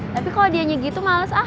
tapi kalau dianya gitu males ah